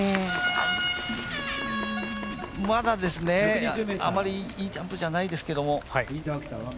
まだですね、あまりいいジャンプじゃないですけども。